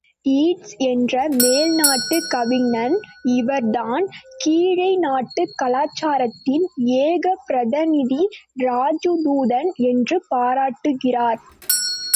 Eats என்ற மேல் நாட்டுக் கவிஞன், இவர்தான் கீழை நாட்டு கலாச்சாரத்தின் ஏக பிரதிநிதி, ராஜதூதன் என்று பாராட்டுகிறார்.